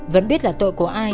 vẫn biết là tội của ai